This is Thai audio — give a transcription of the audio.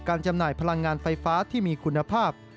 จำหน่ายพลังงานไฟฟ้าที่มีคุณภาพ